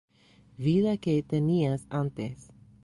vida que tenías antes